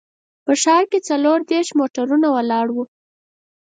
په ښار کې څلور دیرش موټرونه ولاړ وو.